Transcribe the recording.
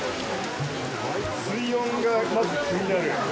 水温が、まず気になる。